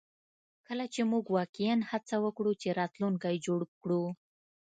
کله چې موږ واقعیا هڅه وکړو چې راتلونکی جوړ کړو